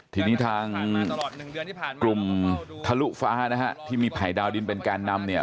ทีนี้ทางกลุ่มทะลุฟ้านะฮะที่มีภัยดาวดินเป็นแกนนำเนี่ย